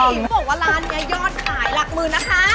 เห็นบอกว่าร้านนี้ยอดขายหลักหมื่นนะคะ